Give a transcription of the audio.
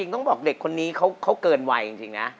ต้องบอกเด็กคนนี้เขาเกินวัยจริงนะ